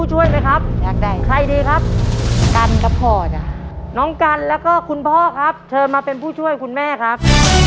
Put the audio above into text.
เชิญมาเป็นผู้ช่วยคุณแม่ครับ